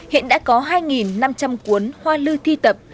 hiện đã có hai năm trăm linh cuốn hoa lư thi tập